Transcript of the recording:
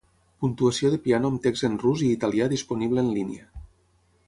Puntuació de piano amb text en rus i italià disponible en línia.